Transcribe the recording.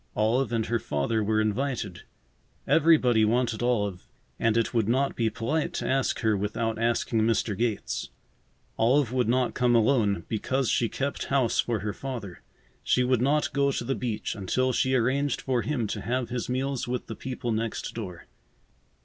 Olive and her father were invited. Everybody wanted Olive, and it would not be polite to ask her without asking Mr. Gates. Olive would not come alone, because she kept house for her father. She would not go to the beach until she arranged for him to have his meals with the people next door.